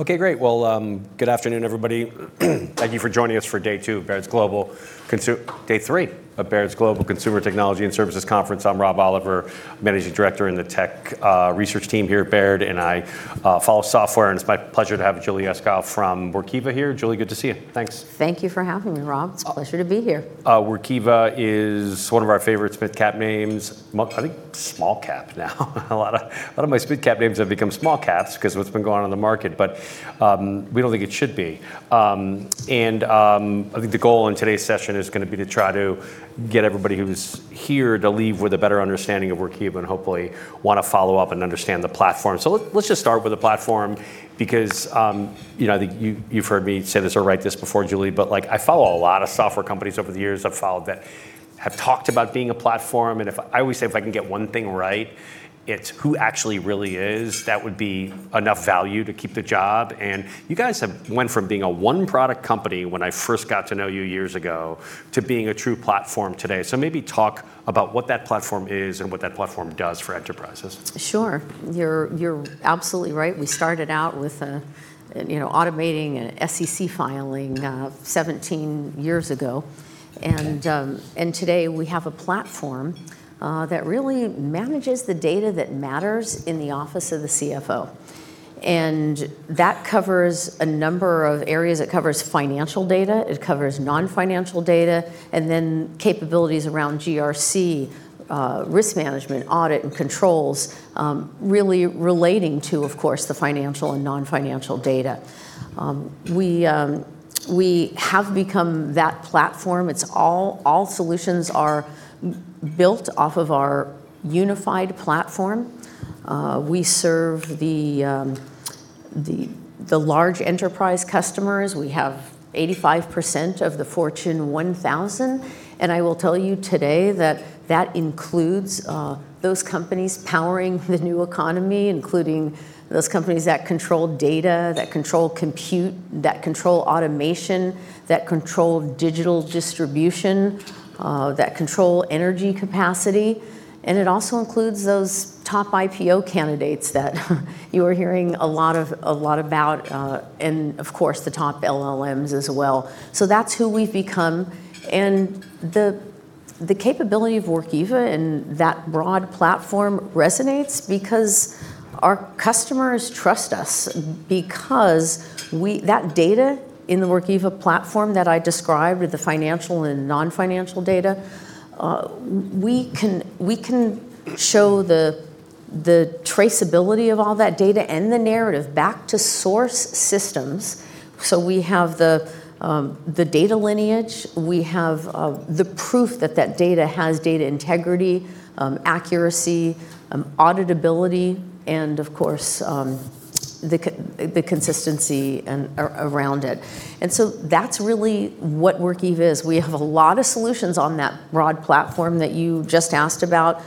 Okay, great. Well, good afternoon, everybody. Thank you for joining us for day two, day three of Baird Global Consumer, Technology & Services Conference. I'm Rob Oliver, managing director in the tech research team here at Baird. I follow software. It's my pleasure to have Julie Iskow from Workiva here. Julie, good to see you. Thanks. Thank you for having me, Rob. It's a pleasure to be here. Workiva is one of our favorite mid-cap names. I think small cap now. A lot of my mid-cap names have become small caps because of what's been going on in the market. We don't think it should be. I think the goal in today's session is going to be to try to get everybody who's here to leave with a better understanding of Workiva and hopefully want to follow up and understand the platform. Let's just start with the platform because, I think you've heard me say this or write this before, Julie, but I follow a lot of software companies over the years I've followed that have talked about being a platform. I always say if I can get one thing right, it's who actually really is, that would be enough value to keep the job. You guys have went from being a one-product company when I first got to know you years ago to being a true platform today. Maybe talk about what that platform is and what that platform does for enterprises. Sure. You're absolutely right. We started out with automating an SEC filing 17 years ago. And today we have a platform that really manages the data that matters in the office of the CFO. That covers a number of areas. It covers financial data, it covers non-financial data, capabilities around GRC, risk management, audit, and controls, really relating to, of course, the financial and non-financial data. We have become that platform. All solutions are built off of our unified platform. We serve the large enterprise customers. We have 85% of the Fortune 1000, I will tell you today that that includes those companies powering the new economy, including those companies that control data, that control compute, that control automation, that control digital distribution, that control energy capacity, it also includes those top IPO candidates that you are hearing a lot about, of course, the top LLMs as well, so that who we become. The capability of Workiva and that broad platform resonates because our customers trust us. Because we, that data in the Workiva Platform that I described, or the financial and non-financial data, we can show the traceability of all that data and the narrative back to source systems. We have the data lineage. We have the proof that that data has data integrity, accuracy, auditability, and of course, the consistency around it. That's really what Workiva is. We have a lot of solutions on that broad platform that you just asked about.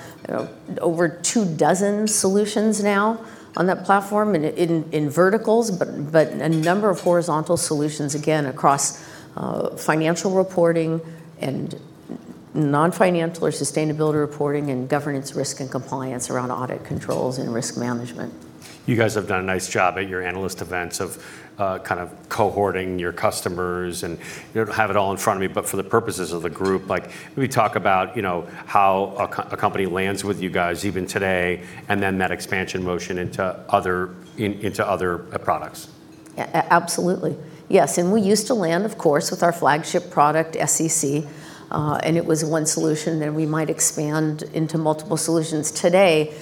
Over two dozen solutions now on that platform in verticals, but a number of horizontal solutions, again, across financial reporting and non-financial or sustainability reporting and Governance, Risk, and Compliance around audit controls and Risk Management. You guys have done a nice job at your analyst events of kind of cohorting your customers, and you don't have it all in front of me, but for the purposes of the group, maybe talk about how a company lands with you guys even today, and then that expansion motion into other products. Absolutely. Yes, we used to land, of course, with our flagship product, SEC, and it was one solution. We might expand into multiple solutions. Today,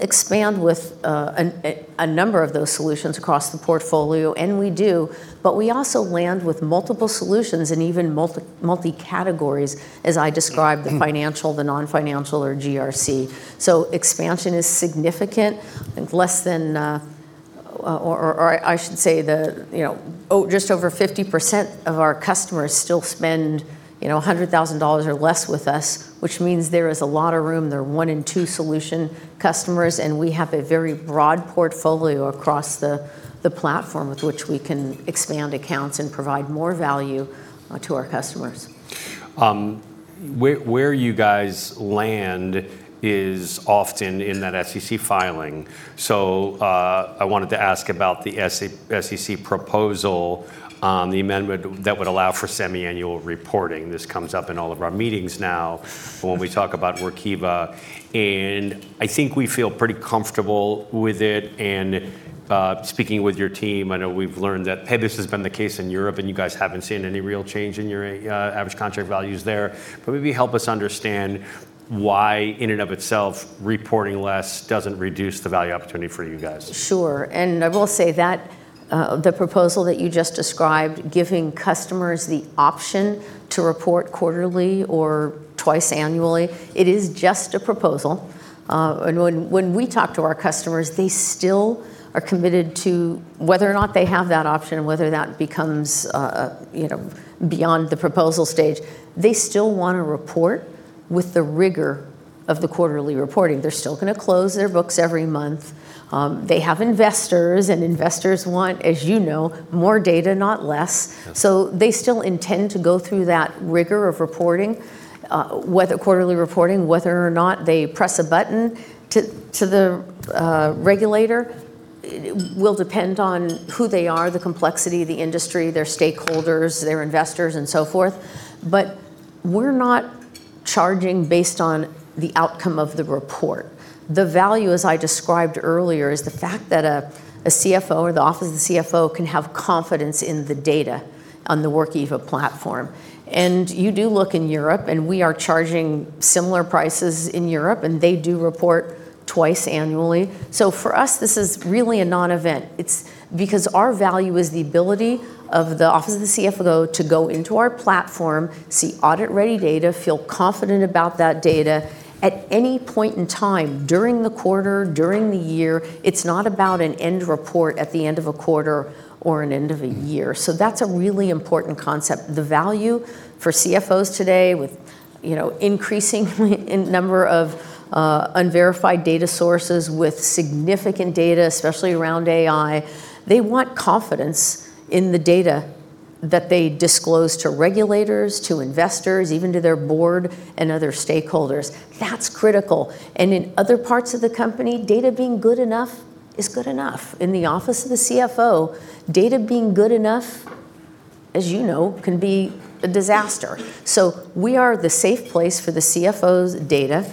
expand with a number of those solutions across the portfolio, and we do, but we also land with multiple solutions and even multi-categories, as I describe the financial, the non-financial, or GRC. So expansion is significant. I think less than or I should say just over 50% of our customers still spend $100,000 or less with us, which means there is a lot of room. They're one in two solution customers, and we have a very broad portfolio across the platform with which we can expand accounts and provide more value to our customers. Where you guys land is often in that SEC filing. I wanted to ask about the SEC proposal on the amendment that would allow for semi-annual reporting. This comes up in all of our meetings now when we talk about Workiva, and I think we feel pretty comfortable with it. And speaking with your team, I know we've learned that, hey, this has been the case in Europe, and you guys haven't seen any real change in your average contract values there. Maybe help us understand why, in and of itself, reporting less doesn't reduce the value opportunity for you guys. Sure. I will say that the proposal that you just described, giving customers the option to report quarterly or twice annually, it is just a proposal. When we talk to our customers, they still are committed to whether or not they have that option, whether that becomes beyond the proposal stage, they still want to report with the rigor of the quarterly reporting. They're still going to close their books every month. They have investors, and investors want, as you know, more data, not less. So they still intend to go through that rigor of reporting, whether quarterly reporting, whether or not they press a button to the regulator. It will depend on who they are, the complexity of the industry, their stakeholders, their investors, and so forth. We're not charging based on the outcome of the report. The value, as I described earlier, is the fact that a CFO or the office of the CFO can have confidence in the data on the Workiva Platform. You do look in Europe, and we are charging similar prices in Europe, and they do report twice annually. For us, this is really a non-event. It's because our value is the ability of the office of the CFO to go into our platform, see audit-ready data, feel confident about that data at any point in time during the quarter, during the year. It's not about an end report at the end of a quarter or an end of a year. That's a really important concept. The value for CFOs today with increasing number of unverified data sources with significant data, especially around AI, they want confidence in the data that they disclose to regulators, to investors, even to their board and other stakeholders. That's critical. In other parts of the company, data being good enough is good enough. In the office of the CFO, data being good enough, as you know, can be a disaster. We are the safe place for the CFO's data.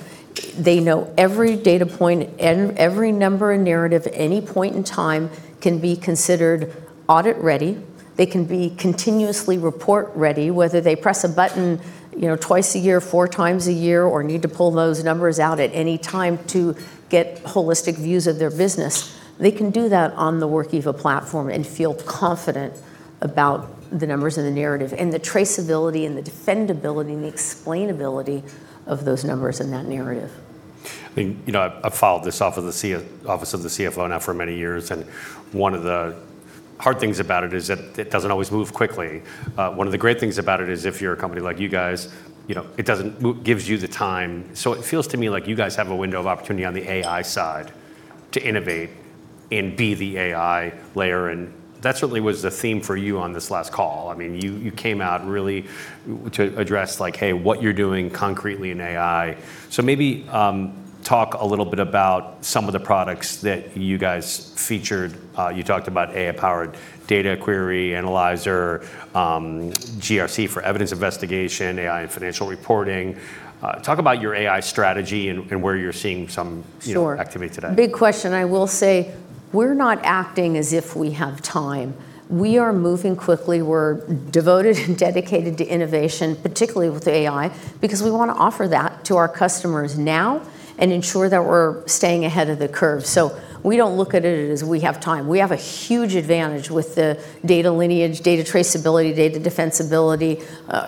They know every data point and every number and narrative at any point in time can be considered audit-ready. They can be continuously report-ready, whether they press a button twice a year, four times a year, or need to pull those numbers out at any time to get holistic views of their business. They can do that on the Workiva Platform and feel confident about the numbers and the narrative and the traceability and the defendability and the explainability of those numbers and that narrative. I've followed this office of the CFO now for many years, and one of the hard things about it is that it doesn't always move quickly. One of the great things about it is if you're a company like you guys, it gives you the time. It feels to me like you guys have a window of opportunity on the AI side to innovate and be the AI layer, and that certainly was the theme for you on this last call. You came out really to address like, hey, what you're doing concretely in AI. Maybe talk a little bit about some of the products that you guys featured. You talked about AI-powered Data Query Analyzer, GRC for evidence investigation, AI and financial reporting. Talk about your AI strategy and where you're seeing. Sure activity today. Big question. I will say we're not acting as if we have time. We are moving quickly. We're devoted and dedicated to innovation, particularly with AI, because we want to offer that to our customers now and ensure that we're staying ahead of the curve. We don't look at it as we have time. We have a huge advantage with the data lineage, data traceability, data defensibility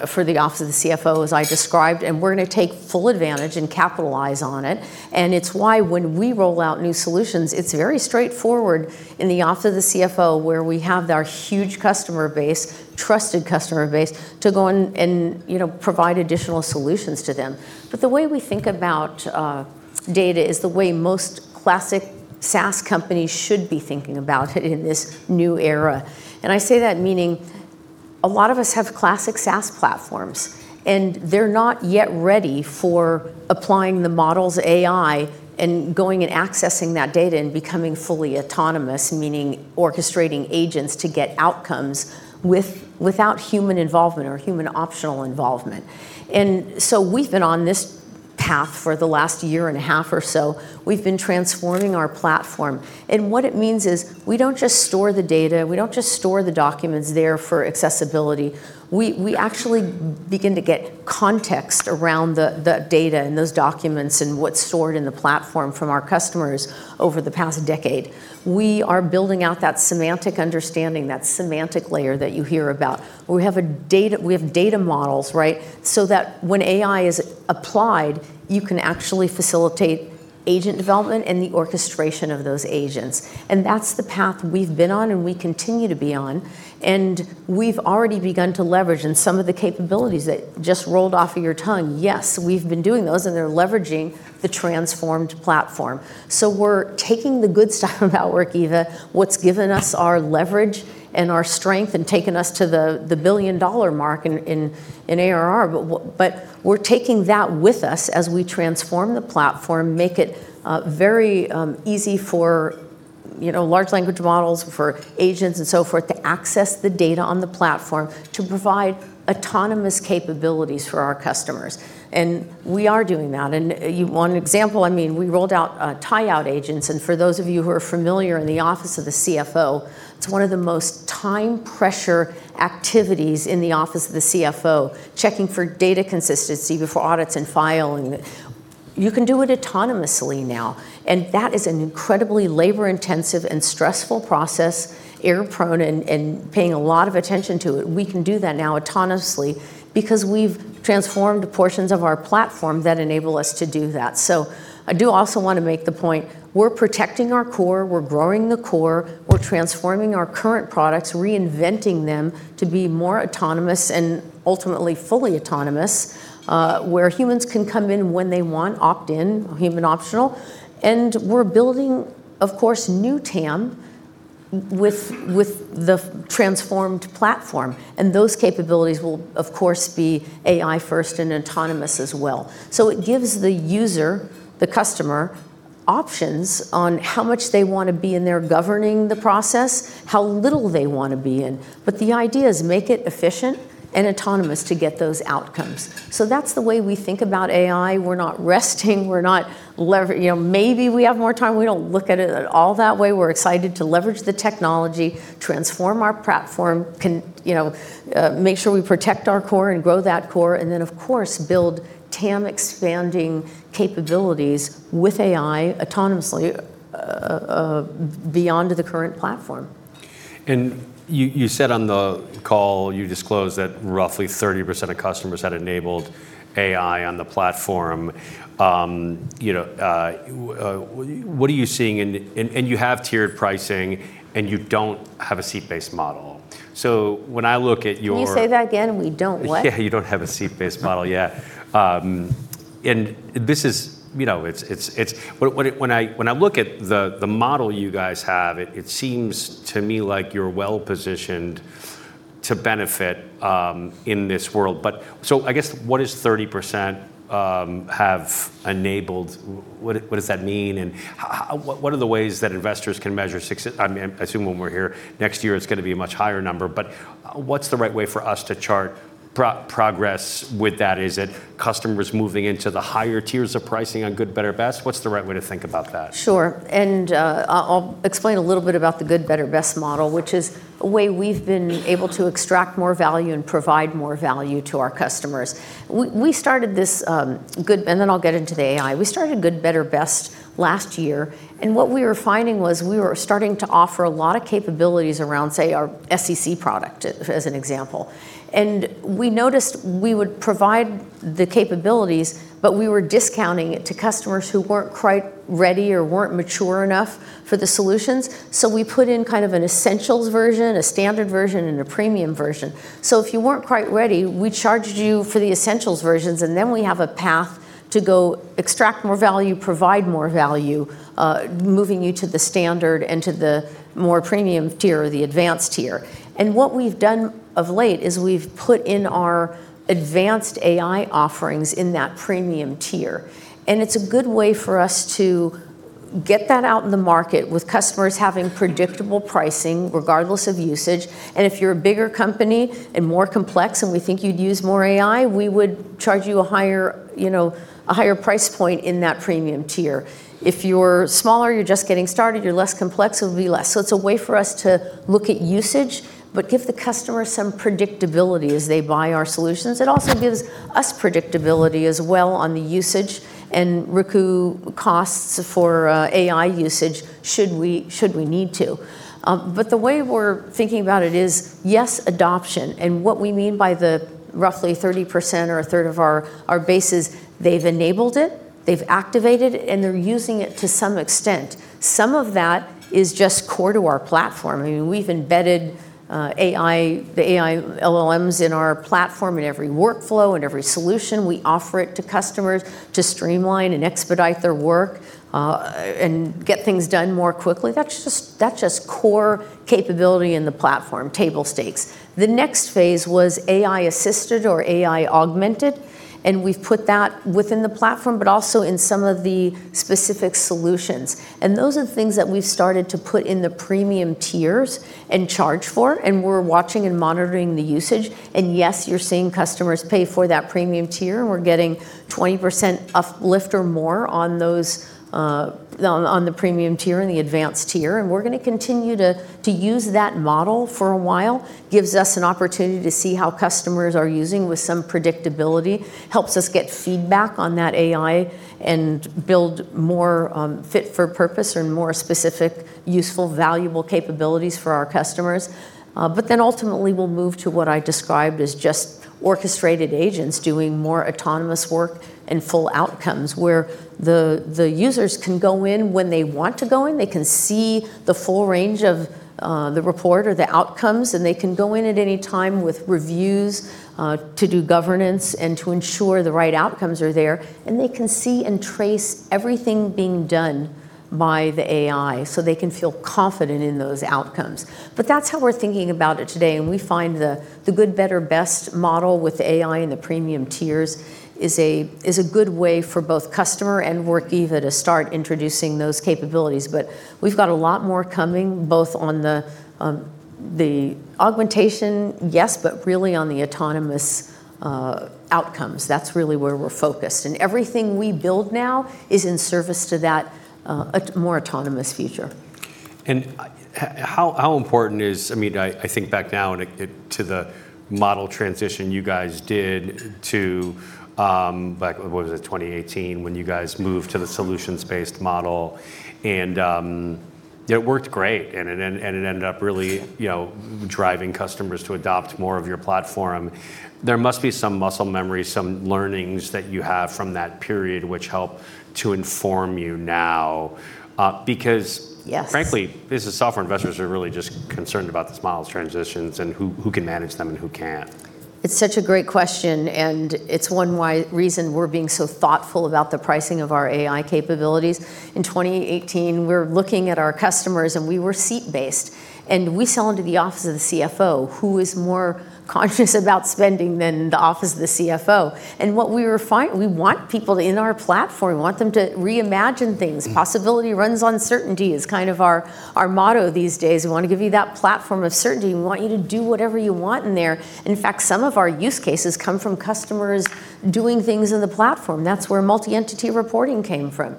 for the office of the CFO, as I described, and we're going to take full advantage and capitalize on it. It's why when we roll out new solutions, it's very straightforward in the office of the CFO, where we have our huge customer base, trusted customer base, to go and provide additional solutions to them. The way we think about data is the way most classic SaaS companies should be thinking about it in this new era. I say that meaning a lot of us have classic SaaS platforms, and they're not yet ready for applying the models' AI and going and accessing that data and becoming fully autonomous, meaning orchestrating agents to get outcomes without human involvement or human optional involvement. We've been on this path for the last year and a half or so. We've been transforming our platform. What it means is we don't just store the data, we don't just store the documents there for accessibility. We actually begin to get context around the data and those documents and what's stored in the platform from our customers over the past decade. We are building out that semantic understanding, that semantic layer that you hear about, where we have data models, right? That when AI is applied, you can actually facilitate agent development and the orchestration of those agents. That's the path we've been on and we continue to be on. We've already begun to leverage some of the capabilities that just rolled off of your tongue, yes, we've been doing those, and they're leveraging the transformed platform. We're taking the good stuff about Workiva, what's given us our leverage and our strength and taken us to the billion-dollar mark in ARR, but we're taking that with us as we transform the platform, make it very easy for large language models, for agents and so forth, to access the data on the platform to provide autonomous capabilities for our customers. We are doing that. One example, we rolled out tie-out agents, for those of you who are familiar in the office of the CFO, it's one of the most time-pressure activities in the office of the CFO, checking for data consistency before audits and filing. You can do it autonomously now, that is an incredibly labor-intensive and stressful process, error-prone, and paying a lot of attention to it. We can do that now autonomously because we've transformed portions of our platform that enable us to do that. I do also want to make the point, we're protecting our core, we're growing the core, we're transforming our current products, reinventing them to be more autonomous and ultimately fully autonomous, where humans can come in when they want, opt-in, human optional. We're building, of course, new TAM with the transformed platform. Those capabilities will, of course, be AI first and autonomous as well. It gives the user, the customer, options on how much they want to be in there governing the process, how little they want to be in. The idea is make it efficient and autonomous to get those outcomes. That's the way we think about AI. We're not resting. Maybe we have more time. We don't look at it at all that way. We're excited to leverage the technology, transform our platform, make sure we protect our core and grow that core, and then of course build TAM expanding capabilities with AI autonomously beyond the current platform. You said on the call, you disclosed that roughly 30% of customers had enabled AI on the platform. What are you seeing? You have tiered pricing, and you don't have a seat-based model. So when I look at your. Can you say that again? We don't what? Yeah. You don't have a seat-based model yet. When I look at the model you guys have, it seems to me like you're well-positioned to benefit in this world. I guess what does 30% have enabled? What does that mean? What are the ways that investors can measure success I assume when we're here next year, it's going to be a much higher number, but what's the right way for us to chart progress with that? Is it customers moving into the higher tiers of pricing on good, better, best? What's the right way to think about that? Sure. I'll explain a little bit about the good, better, best model, which is a way we've been able to extract more value and provide more value to our customers. We started this good, then I'll get into the AI. We started good, better, best last year, and what we were finding was we were starting to offer a lot of capabilities around, say, our SEC product, as an example. We noticed we would provide the capabilities, but we were discounting it to customers who weren't quite ready or weren't mature enough for the solutions. We put in kind of an essentials version, a standard version, and a premium version. If you weren't quite ready, we charged you for the essentials versions, and then we have a path to go extract more value, provide more value, moving you to the standard and to the more premium tier or the advanced tier. What we've done of late is we've put in our advanced AI offerings in that premium tier. It's a good way for us to get that out in the market with customers having predictable pricing regardless of usage. If you're a bigger company and more complex and we think you'd use more AI, we would charge you a higher price point in that premium tier. If you're smaller, you're just getting started, you're less complex, it would be less. It's a way for us to look at usage, but give the customer some predictability as they buy our solutions. It also gives us predictability as well on the usage and recoup costs for AI usage should we need to. The way we're thinking about it is, yes, adoption, and what we mean by the roughly 30% or a third of our base is they've enabled it, they've activated it, and they're using it to some extent. Some of that is just core to our platform. We've embedded the AI LLMs in our platform, in every workflow, in every solution. We offer it to customers to streamline and expedite their work, and get things done more quickly. That's just core capability in the platform, table stakes. The next phase was AI-assisted or AI-augmented, and we've put that within the platform, but also in some of the specific solutions. Those are the things that we've started to put in the premium tiers and charge for, and we're watching and monitoring the usage. Yes, you're seeing customers pay for that premium tier, and we're getting 20% uplift or more on the premium tier and the advanced tier. We're going to continue to use that model for a while. Gives us an opportunity to see how customers are using with some predictability. Helps us get feedback on that AI and build more fit for purpose and more specific, useful, valuable capabilities for our customers. Ultimately, we'll move to what I described as just orchestrated agents doing more autonomous work and full outcomes, where the users can go in when they want to go in. They can see the full range of the report or the outcomes. They can go in at any time with reviews, to do governance, and to ensure the right outcomes are there. They can see and trace everything being done by the AI. They can feel confident in those outcomes. That's how we're thinking about it today, and we find the good, better, best model with AI in the premium tiers is a good way for both customer and Workiva to start introducing those capabilities. We've got a lot more coming, both on the augmentation, yes, but really on the autonomous outcomes. That's really where we're focused. Everything we build now is in service to that more autonomous future. How important is I think back now to the model transition you guys did to, back, what was it? 2018, when you guys moved to the solutions-based model. It worked great, and it ended up really driving customers to adopt more of your Platform. There must be some muscle memory, some learnings that you have from that period, which help to inform you now. Yes Because Frankly business software investors are really just concerned about this model's transitions and who can manage them and who can't. It's such a great question. It's one reason we're being so thoughtful about the pricing of our AI capabilities. In 2018, we were looking at our customers. We were seat-based. We sell into the office of the CFO. Who is more conscious about spending than the office of the CFO? What we want people in our platform. We want them to reimagine things. "Possibility runs on certainty" is kind of our motto these days. We want to give you that platform of certainty. We want you to do whatever you want in there. In fact, some of our use cases come from customers doing things in the platform. That's where multi-entity reporting came from.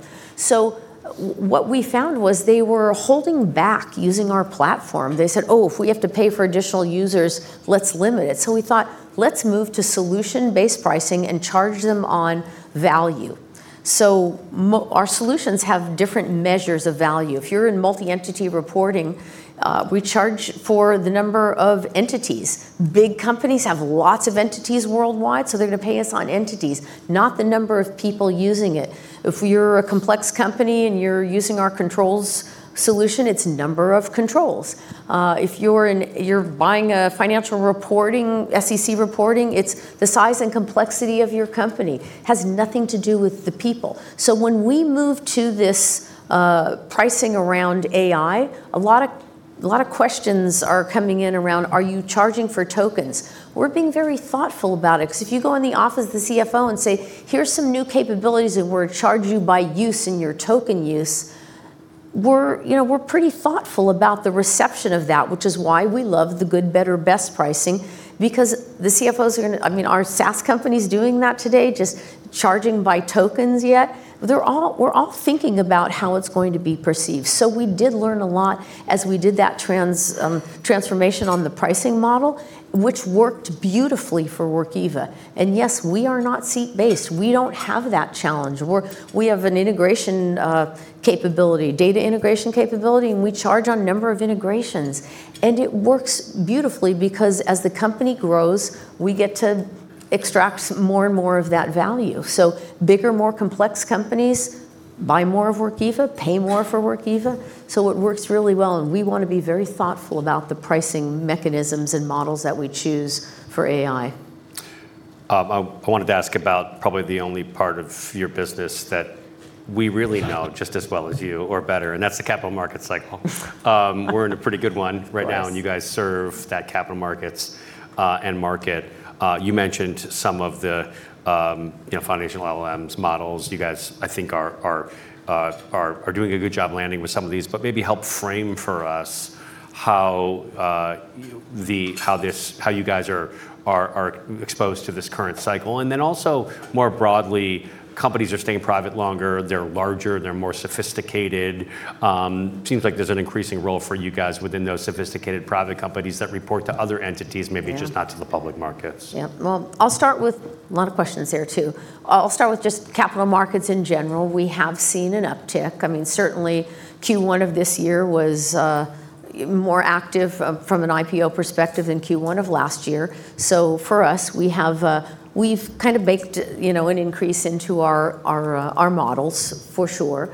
What we found was they were holding back using our platform. They said, "Oh, if we have to pay for additional users, let's limit it." We thought, "Let's move to solution-based pricing and charge them on value." Our solutions have different measures of value. If you're in multi-entity reporting, we charge for the number of entities. Big companies have lots of entities worldwide, so they're going to pay us on entities, not the number of people using it. If you're a complex company and you're using our controls solution, it's number of controls. If you're buying a financial reporting, SEC reporting, it's the size and complexity of your company. Has nothing to do with the people. When we move to this pricing around AI, a lot of questions are coming in around, are you charging for tokens? We're being very thoughtful about it, because if you go in the office of the CFO and say, "Here's some new capabilities, and we'll charge you by use in your token use," we're pretty thoughtful about the reception of that. Which is why we love the good, better, best pricing, because the CFOs. Are SaaS companies doing that today, just charging by tokens yet? We're all thinking about how it's going to be perceived. We did learn a lot as we did that transformation on the pricing model, which worked beautifully for Workiva. Yes, we are not seat based. We don't have that challenge. We have an integration capability, data integration capability, and we charge on number of integrations. It works beautifully because as the company grows, we get to extract more and more of that value. Bigger, more complex companies buy more of Workiva, pay more for Workiva. It works really well, and we want to be very thoughtful about the pricing mechanisms and models that we choose for AI. I wanted to ask about probably the only part of your business that we really know just as well as you, or better, and that's the capital markets cycle. We're in a pretty good one right now. Yes You guys serve that capital markets end market. You mentioned some of the foundational LLMs models. You guys, I think, are doing a good job landing with some of these. Maybe help frame for us how you guys are exposed to this current cycle. Then also, more broadly, companies are staying private longer, they're larger, they're more sophisticated. Seems like there's an increasing role for you guys within those sophisticated private companies that report to other entities. Yeah maybe just not to the public markets. Yeah. A lot of questions there, too. I'll start with just capital markets in general. We have seen an uptick. Certainly Q1 of this year was more active from an IPO perspective than Q1 of last year. For us, we've kind of baked an increase into our models, for sure.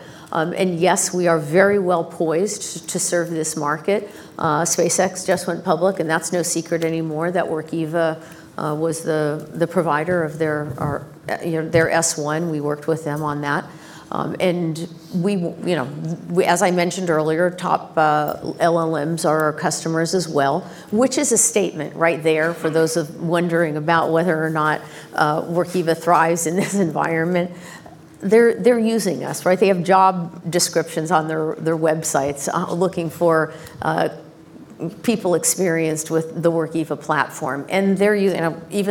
Yes, we are very well poised to serve this market. SpaceX just went public, and that's no secret anymore that Workiva was the provider of their S-1. We worked with them on that. As I mentioned earlier, top LLMs are our customers as well, which is a statement right there for those wondering about whether or not Workiva thrives in this environment. They're using us. They have job descriptions on their websites looking for people experienced with the Workiva Platform. Even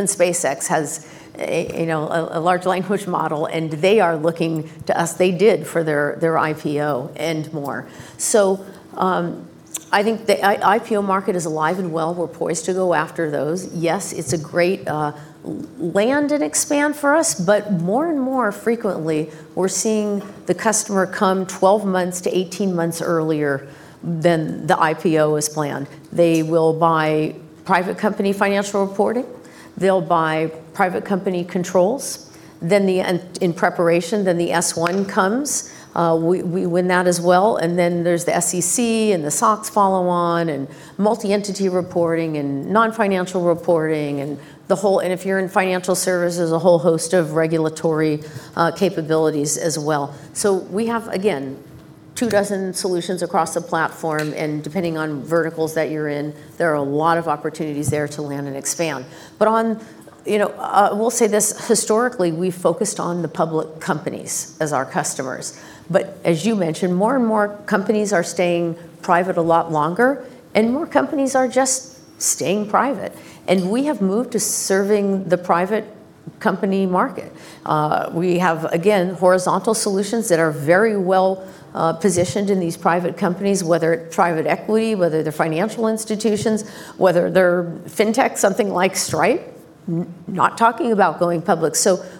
SpaceX has a large language model, and they are looking to us. They did for their IPO and more. I think the IPO market is alive and well. We're poised to go after those. Yes, it's a great land and expand for us, but more and more frequently, we're seeing the customer come 12 months to 18 months earlier than the IPO was planned. They will buy private company financial reporting. They'll buy private company controls in preparation, then the S-1 comes. We win that as well, and then there's the SEC, and the SOX follow on, and multi-entity reporting, and non-financial reporting. If you're in financial services, a whole host of regulatory capabilities as well. We have, again, two dozen solutions across the Platform, and depending on verticals that you're in, there are a lot of opportunities there to land and expand. I will say this, historically, we focused on the public companies as our customers. As you mentioned, more and more companies are staying private a lot longer, and more companies are just staying private, and we have moved to serving the private company market. We have, again, horizontal solutions that are very well-positioned in these private companies, whether private equity, whether they're financial institutions, whether they're fintech, something like Stripe, not talking about going public.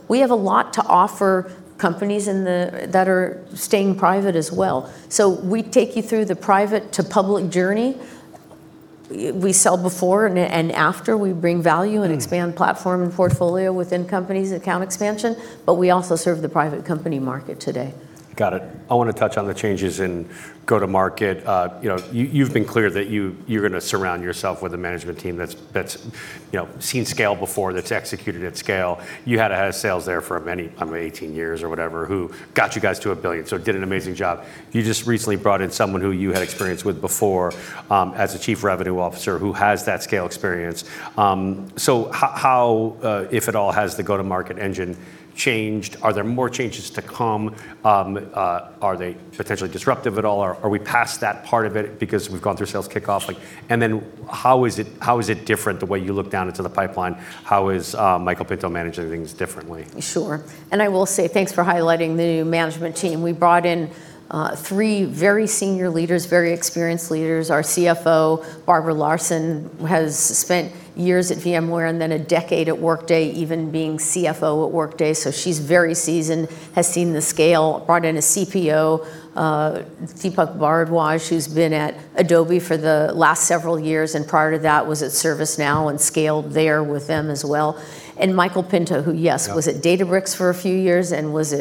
We have a lot to offer companies that are staying private as well. We take you through the private to public journey. We sell before and after. We bring value and expand platform and portfolio within companies, account expansion, but we also serve the private company market today. Got it. I want to touch on the changes in go-to-market. You've been clear that you're going to surround yourself with a management team that's seen scale before, that's executed at scale. You had a head of sales there for many, probably 18 years or whatever, who got you guys to billion, so did an amazing job. You just recently brought in someone who you had experience with before, as a Chief Revenue Officer, who has that scale experience. How, if at all, has the go-to-market engine changed? Are there more changes to come? Are they potentially disruptive at all, or are we past that part of it because we've gone through sales kickoff? How is it different the way you look down into the pipeline? How is Michael Pinto managing things differently? Sure. Thanks for highlighting the new management team. We brought in three very senior leaders, very experienced leaders. Our CFO, Barbara Larson, has spent years at VMware and then a decade at Workday, even being CFO at Workday. She's very seasoned, has seen the scale. Brought in a CPO, Deepak Bharadwaj, who's been at Adobe for the last several years, and prior to that was at ServiceNow and scaled there with them as well. Michael Pinto, who, yes, was at Databricks for a few years and was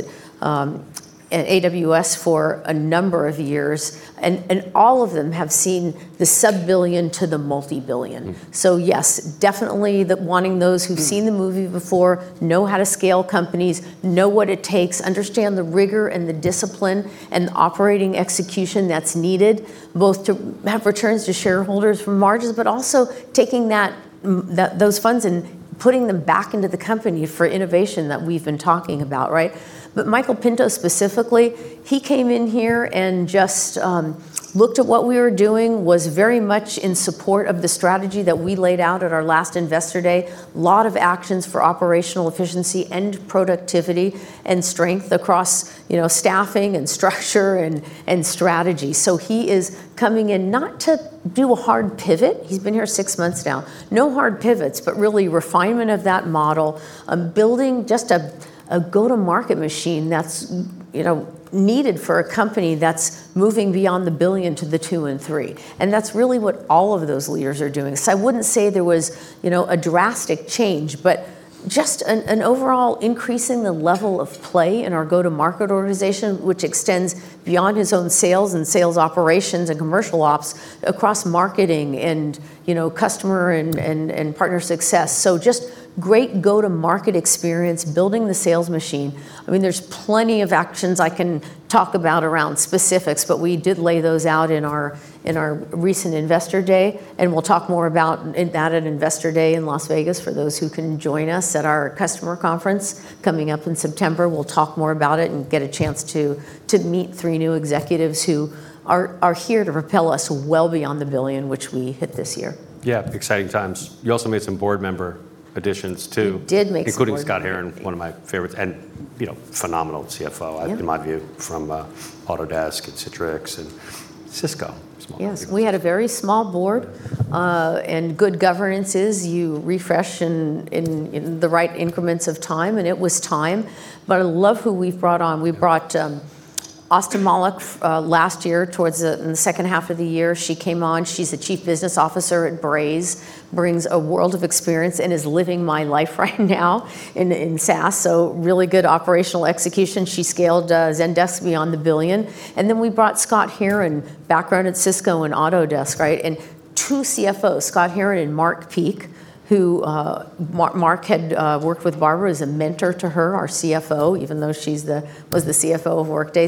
at AWS for a number of years. All of them have seen the sub-billion to the multi-billion. Yes, definitely wanting those who've seen the movie before, know how to scale companies, know what it takes, understand the rigor and the discipline and the operating execution that's needed, both to have returns to shareholders from margins, but also taking those funds and putting them back into the company for innovation that we've been talking about, right? Michael Pinto specifically, he came in here and just looked at what we were doing, was very much in support of the strategy that we laid out at our last investor day. Lot of actions for operational efficiency and productivity and strength across staffing and structure and strategy. He is coming in not to do a hard pivot. He's been here six months now. No hard pivots, but really refinement of that model, building just a go-to-market machine that's needed for a company that's moving beyond the billion to the two and three. That's really what all of those leaders are doing. I wouldn't say there was a drastic change, but just an overall increase in the level of play in our go-to-market organization, which extends beyond his own sales and sales operations and commercial ops, across marketing and customer and partner success. Just great go-to-market experience building the sales machine. There's plenty of actions I can talk about around specifics, but we did lay those out in our recent Investor Day, and we'll talk more about it at Investor Day in Las Vegas for those who can join us at our customer conference coming up in September. We'll talk more about it and get a chance to meet three new executives who are here to propel us well beyond the billion which we hit this year. Yeah, exciting times. You also made some board member additions, too. We did make some board member- Including Scott Herren, one of my favorites, and phenomenal CFO, in my view, from Autodesk and Citrix and Cisco. Yes. We had a very small board. Good governance is you refresh in the right increments of time, and it was time. I love who we've brought on. We brought Astha Malik last year. In the second half of the year, she came on. She's the Chief Business Officer at Braze. Brings a world of experience and is living my life right now in SaaS, so really good operational execution. She scaled Zendesk beyond a billion. Then we brought Scott Herren, background at Cisco and Autodesk, right? Two CFOs, Scott Herren and Mark Peek, Mark had worked with Barbara, is a mentor to her, our CFO, even though she was the CFO of Workday.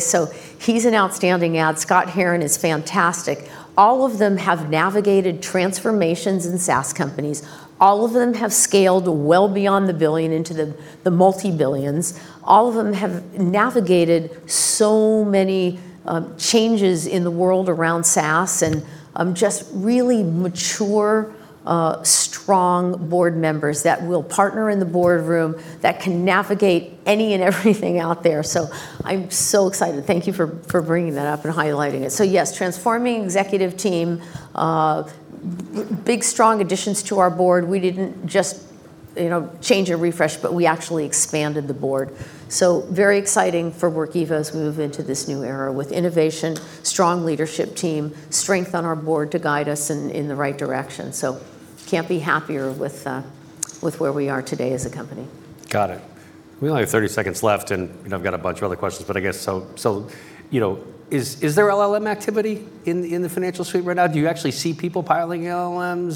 He's an outstanding add. Scott Herren is fantastic. All of them have navigated transformations in SaaS companies. All of them have scaled well beyond the billion into the multi-billions. All of them have navigated so many changes in the world around SaaS, just really mature, strong board members that will partner in the boardroom, that can navigate any and everything out there. I'm so excited. Thank you for bringing that up and highlighting it. Yes, transforming executive team. Big, strong additions to our board. We didn't just change and refresh, we actually expanded the board. Very exciting for Workiva as we move into this new era with innovation, strong leadership team, strength on our board to guide us in the right direction. Can't be happier with where we are today as a company. Got it. We only have 30 seconds left, and I've got a bunch of other questions, but I guess, so is there LLM activity in the financial suite right now? Do you actually see people piloting LLMs?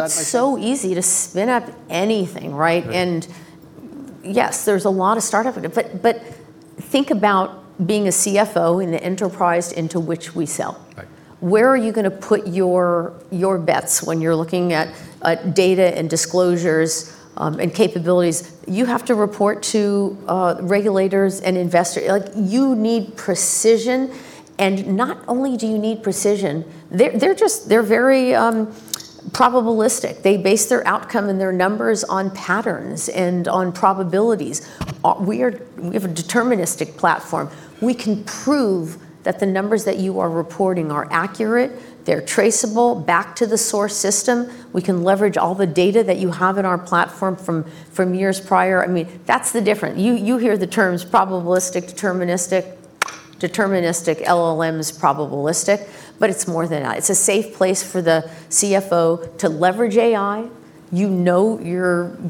It's so easy to spin up anything, right? Right. Yes, there's a lot of startup activity. Think about being a CFO in the enterprise into which we sell. Right. Where are you going to put your bets when you're looking at data and disclosures and capabilities? You have to report to regulators and investors. You need precision, and not only do you need precision, they're very probabilistic. They base their outcome and their numbers on patterns and on probabilities. We have a deterministic platform. We can prove that the numbers that you are reporting are accurate, they're traceable back to the source system. We can leverage all the data that you have in our platform from years prior. That's the difference. You hear the terms probabilistic, deterministic. Deterministic, LLM is probabilistic, but it's more than that. It's a safe place for the CFO to leverage AI. You know your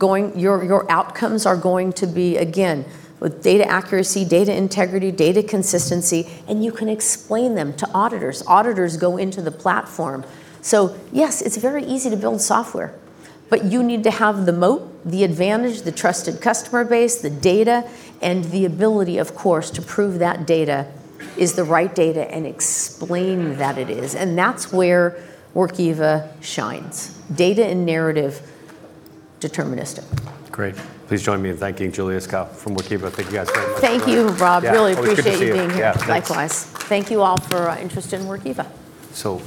outcomes are going to be, again, with data accuracy, data integrity, data consistency, and you can explain them to auditors. Auditors go into the platform. Yes, it's very easy to build software, but you need to have the moat, the advantage, the trusted customer base, the data, and the ability, of course, to prove that data is the right data and explain that it is. That's where Workiva shines. Data and narrative, deterministic. Great. Please join me in thanking Julie Iskow from Workiva. Thank you guys very much. Thank you, Rob. Really appreciate you being here. Likewise. Thank you all for interest in Workiva. So